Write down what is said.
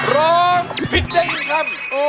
ร้องผิดได้๑คำ